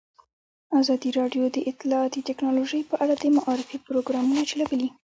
ازادي راډیو د اطلاعاتی تکنالوژي په اړه د معارفې پروګرامونه چلولي.